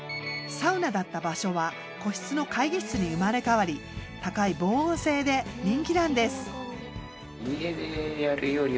サウナだった場所は個室の会議室に生まれ変わり高い防音性で人気なんです。